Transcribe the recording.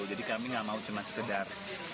jadi kami nggak mau cuma sekedar